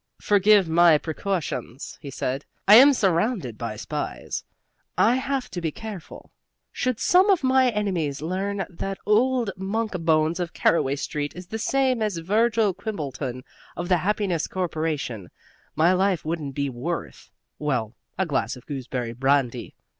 "Forgive my precautions," he said. "I am surrounded by spies. I have to be careful. Should some of my enemies learn that old Mr. Monkbones of Caraway Street is the same as Virgil Quimbleton of the Happiness Corporation, my life wouldn't be worth well, a glass of gooseberry brandy.